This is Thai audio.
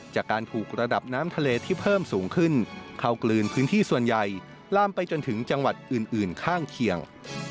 จากการถูกระดับน้ำทะเลที่เพิ่มสูงขึ้นเข้ากลืนพื้นที่ส่วนใหญ่ลามไปจนถึงจังหวัดอื่นข้างเคียง